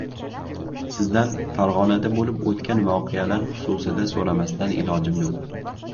— Sizdan Farg‘onada bo‘lib o‘tgan voqealar xususida so‘ramasdan ilojim yo‘q